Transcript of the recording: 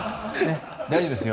大丈夫です。